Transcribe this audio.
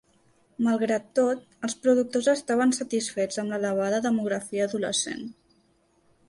Malgrat tot, els productors estaven satisfets amb l'elevada demografia adolescent.